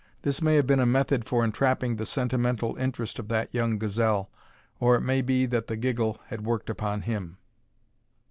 This may have been a method for entrapping the sentimental interest of that young gazelle, or it may be that the giggle had worked upon him.